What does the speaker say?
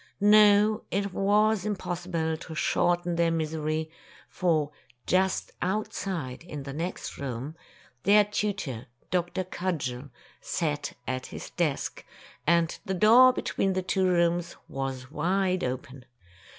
No, it was impossible to shorten their misery, for just outside in the next room Tales of Modern Germany 39 their tutor, Dr. Cudgel, sat at his desk, and the door between the two rooms was wide open.